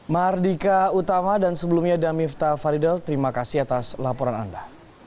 mardika utama dan sebelumnya damifta faridel terima kasih atas laporan anda